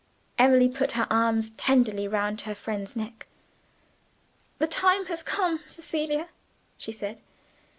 Emily put her arms tenderly round her friend's neck. "The time has come, Cecilia," she said.